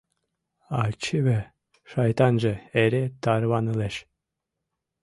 А чыве, шайтанже, эре тарванылеш.